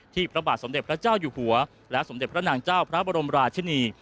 พระบาทสมเด็จพระเจ้าอยู่หัวและสมเด็จพระนางเจ้าพระบรมราชินี